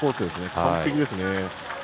完璧ですね。